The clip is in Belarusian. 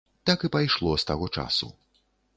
Так і пайшло з таго часу.